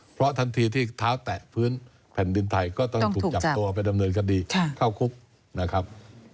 เพราะทันทีที่เท้าแตะพื้นแผ่นดินไทยก็ต้องถูกจับตัวไปดำเนินคดีเข้าคุกนะครับ